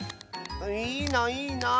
いいないいなあ。